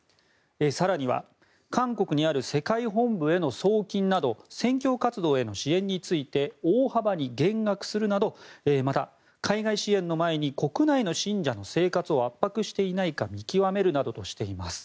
更には韓国にある世界本部への送金など宣教活動への支援について大幅に減額するなどまた、海外支援の前に国内の信者の生活を圧迫していないか見極めるなどとしています。